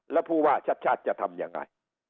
แล้วผู้ว่าชัดชาติจะทำยังไง